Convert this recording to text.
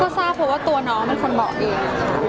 ก็ทราบเพราะว่าตัวน้องเป็นคนบอกดีค่ะ